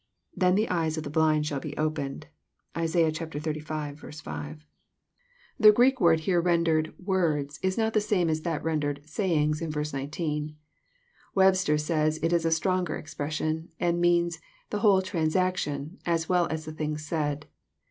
''Then the eyes of the blind shall be opened." (Isaii^h xxxv. 5.) JOHN, CHAP, X, 207 The Greek word here rendered " words, Is not the same as that rendered " sayings," in verse 19. Webster says it is a stronger expression, and means *Hhe whole transaction," as well as the things said.